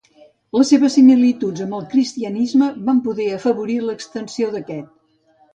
Les seves similituds amb el cristianisme van poder afavorir l'extensió d'aquest.